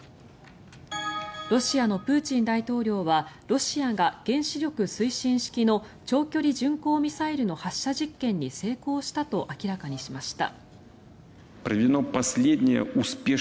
ロシアのプーチン大統領はロシアが原子力推進式の長距離巡航ミサイルの発射実験に成功したと明らかにしました。